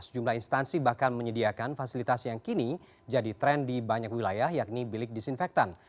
sejumlah instansi bahkan menyediakan fasilitas yang kini jadi tren di banyak wilayah yakni bilik disinfektan